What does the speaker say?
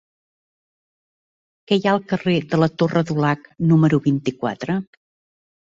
Què hi ha al carrer de la Torre Dulac número vint-i-quatre?